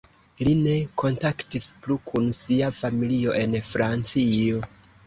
Li ne kontaktis plu kun sia familio en Francio.